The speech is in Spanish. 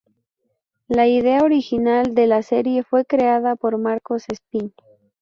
La idea original de la serie fue creada por Marcos Espín.